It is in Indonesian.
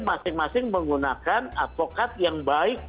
masing masing menggunakan advokat yang baik